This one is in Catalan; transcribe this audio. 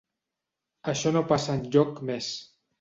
Això no passa enlloc més.